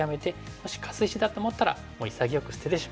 もしカス石だと思ったらもう潔く捨ててしまう。